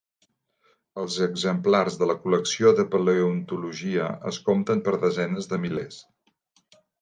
Els exemplars de la col·lecció de paleontologia es compten per desenes de milers.